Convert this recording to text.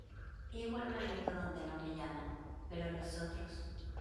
igual me meto donde no me llaman, pero los otros